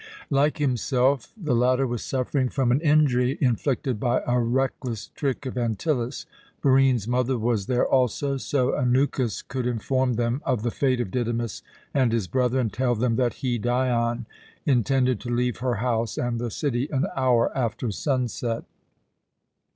Like himself, the latter was suffering from an injury inflicted by a reckless trick of Antyllus. Barine's mother was there also, so Anukis could inform them of the fate of Didymus and his brother, and tell them that he, Dion, intended to leave her house and the city an hour after sunset.